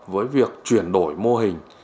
với việc chuyển đổi mô hình